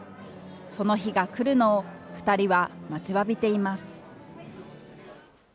その日が来るのを２人は待ちわびています。